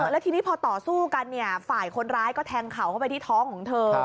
แล้วทีนี้พอต่อสู้กันฝ่ายคนร้ายก็แทงเข่าเข้าไปที่ท้องของเธอ